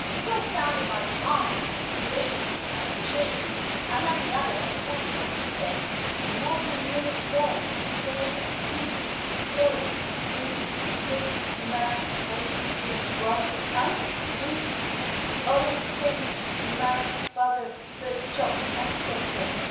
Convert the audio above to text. It all sounded like "hung" and "li" and "chi," and then the other turned to us and said– "Nicee lilly girlee, same piecee flowelee, you takee my head to walkee on. This is alle samee my father first chop ancestor.